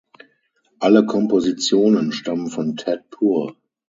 Alle Kompositionen stammen von Ted Poor.